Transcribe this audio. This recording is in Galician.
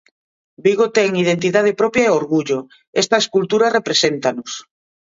Vigo ten identidade propia e orgullo, esta escultura represéntanos.